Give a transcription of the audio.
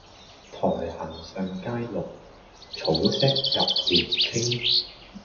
苔痕上階綠，草色入簾青